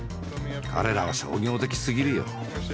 彼らは商業的すぎるよ。